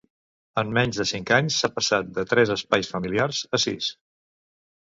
En menys de cinc anys, s'ha passat de tres espais familiars a sis.